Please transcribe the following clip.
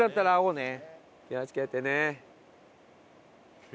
気をつけてね。